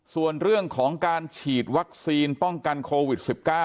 ส่วนเรื่องของการฉีดวัคซีนป้องกันโควิด๑๙